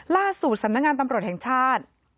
ล่าสู่ศาลงานตำรวจแห่งชาติ